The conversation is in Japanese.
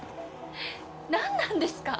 何なんですか！？